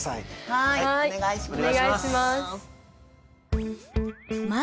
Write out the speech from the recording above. はいお願いします！